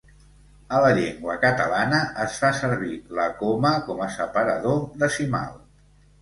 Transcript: A la llengua catalana es fa servir la coma com a separador decimal.